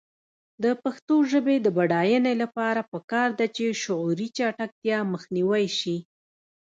د پښتو ژبې د بډاینې لپاره پکار ده چې شعوري چټکتیا مخنیوی شي.